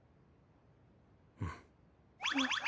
うん。